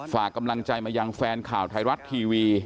ฝากกำลังใจมายังแฟนข่าวไทยรัฐทีวี